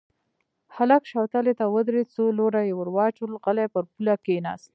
هلک شوتلې ته ودرېد، څو لوره يې ور واچول، غلی پر پوله کېناست.